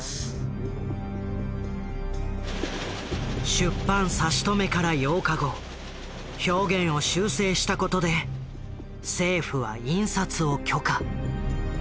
出版差し止めから８日後表現を修正したことで政府は印刷を許可。